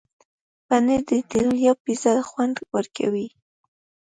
پنېر د ایټالیا پیزا ته خوند ورکوي.